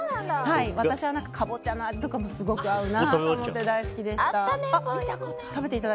私はカボチャの味とかもすごく合うなと思って大好きでした。